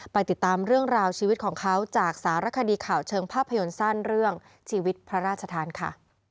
ติดตามเรื่องราวชีวิตของเขาจากสารคดีข่าวเชิงภาพยนตร์สั้นเรื่องชีวิตพระราชทานค่ะ